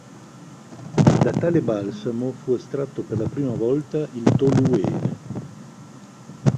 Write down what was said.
Da tale balsamo fu estratto per la prima volta il toluene.